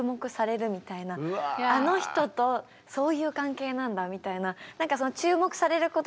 あの人とそういう関係なんだみたいな。